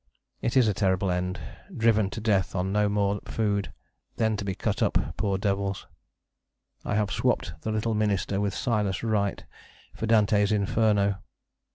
It is a terrible end driven to death on no more food, to be then cut up, poor devils. I have swopped the Little Minister with Silas Wright for Dante's Inferno!"